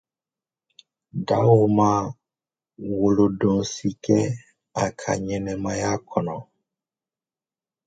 Dao ma wolodon si kɛ a ka ɲɛnamaya kɔnɔ